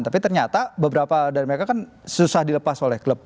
tapi ternyata beberapa dari mereka kan susah dilepas oleh klub